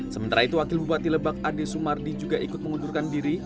sementara itu wakil bupati lebak ade sumardi juga ikut mengundurkan diri